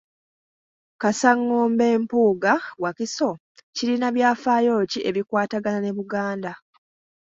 Kaasangombe Mpunga Wakiso kirina byafaayo ki ebikwatagana ne Buganda?